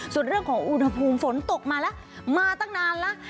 ส่วนเรื่องของอุณหภูมิฝนตกมาแล้วมาตั้งนานแล้ว